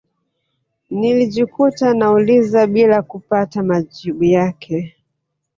Nilijikuta nauliza bila kupata majibu yake